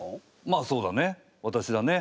まあそうだね。